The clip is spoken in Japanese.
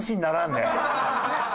ならん。